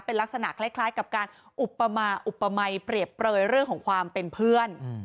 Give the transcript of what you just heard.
เป็นลักษณะคล้ายกับการอุปมาอุปมัยเปรียบเปลยเรื่องของความเป็นเพื่อน